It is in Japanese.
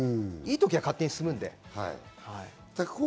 いいときは勝手に進むので。